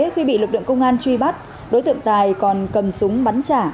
khi bị lực lượng công an truy bắt đối tượng tài còn cầm súng bắn trả